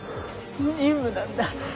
任務なんだ。